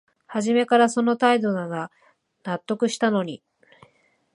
はじめからその態度なら納得したのに